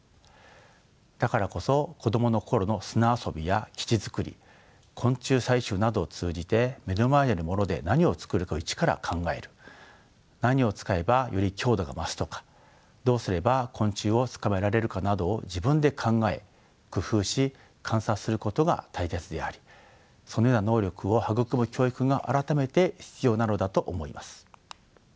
だからこそ子供の頃の砂遊びや基地作り昆虫採集などを通じて目の前にあるもので何を作るかをイチから考える何を使えばより強度が増すとかどうすれば昆虫を捕まえられるかなどを自分で考え工夫し観察することが大切でありそのような能力を育む教育が改めて必要なのだと思います。